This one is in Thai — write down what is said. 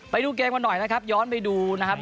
ไปดูเกมกันหน่อยนะครับย้อนไปดูนะครับ